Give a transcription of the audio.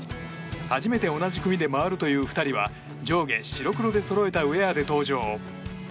初めて同じ組で回るという２人は上下白黒でそろえたウェアで登場。